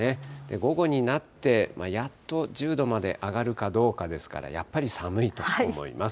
午後になってやっと１０度まで上がるかどうかですから、やっぱり寒いと思います。